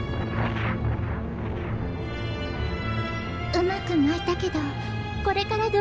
うまくまいたけどこれからどうするの？